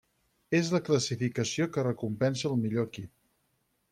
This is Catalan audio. És la classificació que recompensa el millor equip.